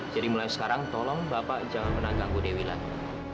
jadi mulai sekarang tolong bapak jangan pernah ganggu dewi lagi